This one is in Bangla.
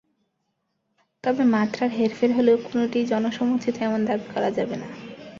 তবে মাত্রার হেরফের হলেও কোনোটিই জনসমর্থিত এমন দাবি করা যাবে না।